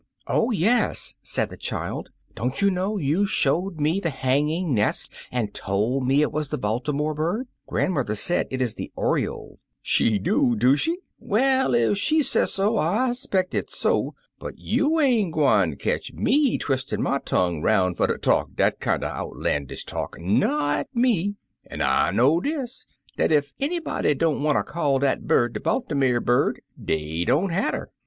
'' *'0h, yesi" said the child; "don't you know you showed me the hanging nest, and told me it was the Baltimore bird ? Grand mother says it is the oriole." "She do, do she? Well, ef she sesso, I speck it's so, but jrou ain't gwine ketch me twis'in' my tongue 'roun' fer ter talk dat kinder outlandish talk — not me I An' I 130 The Most Beautiful Bird knows dis, dat ef anybody don't wanter call dat bird de Baltimer bird, dey don't hatter.